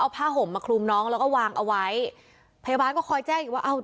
ผ้าห่มมาคลุมน้องแล้วก็วางเอาไว้พยาบาลก็คอยแจ้งอีกว่าเอา